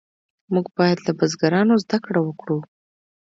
موږ باید له بزرګانو زده کړه وکړو.